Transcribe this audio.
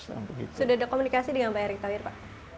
sudah ada komunikasi dengan pak erick thohir pak